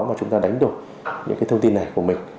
mà chúng ta đánh đổi những cái thông tin này của mình